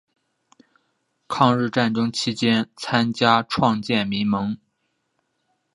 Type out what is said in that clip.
抗日战争期间参与创建民盟。